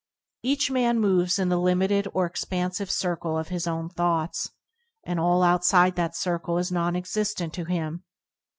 Each man moves in the limited or ex pansive circle of his own thoughts, and all outside that circle is non existent to him.